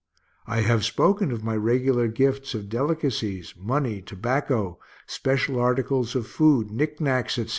I have spoken of my regular gifts of delicacies, money, tobacco, special articles of food, knick knacks, etc.